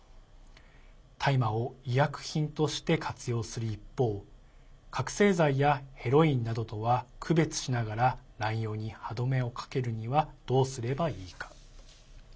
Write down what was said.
大麻を医薬品として活用する一方覚醒剤やヘロインなどとは区別しながら乱用に歯止めをかけるにはどうすればいいか。